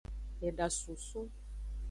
Eda sunsun.